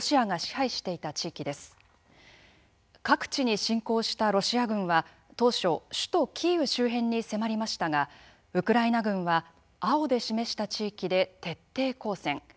各地に侵攻したロシア軍は当初、首都キーウ周辺に迫りましたがウクライナ軍は青で示した地域で徹底抗戦。